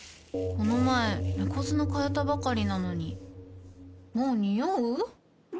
この前猫砂替えたばかりなのにもうニオう？